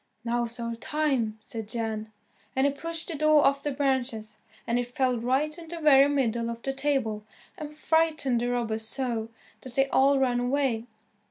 "Now's our time," said Jan, and he pushed the door off the branches, and it fell right in the very middle of the table, and frightened the robbers so that they all ran away.